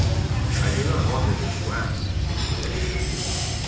"I do not wonder that you ask," said he.